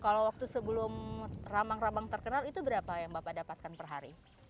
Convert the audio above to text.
kalau waktu sebelum ramang ramang terkenal itu berapa yang bapak dapatkan per hari